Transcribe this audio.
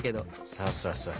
そうそうそうそう。